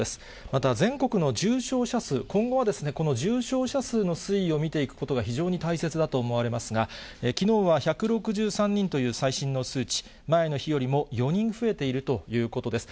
また全国の重症者数、今後はこの重症者数の推移を見ていくことが、非常に大切だと思われますが、きのうは１６３人という最新の数値、前の日よりも４人増えているということです。